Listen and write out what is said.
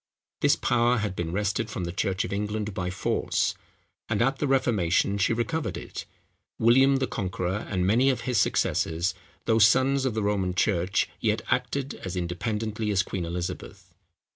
This power had been wrested from the church of England by force; and at the Reformation she recovered it. William the Conqueror, and many of his successors, though sons of the Roman church, yet acted as independently as Queen Elizabeth.